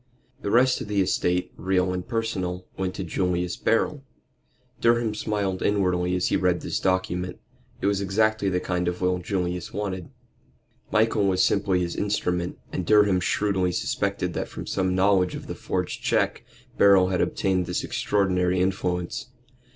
The rest of the estate, real and personal, went to Julius Beryl. Durham smiled inwardly as he read this document. It was exactly the kind of will Julius wanted. Michael was simply his instrument, and Durham shrewdly suspected that from some knowledge of the forged check Beryl had obtained this extraordinary influence.